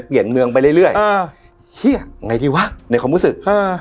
เปลี่ยนเมืองไปเรื่อยเรื่อยอ้าวเฮียไงดีวะในความรู้สึกอ่า